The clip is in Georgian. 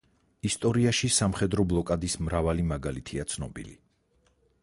ისტორიაში სამხედრო ბლოკადის მრავალი მაგალითია ცნობილი.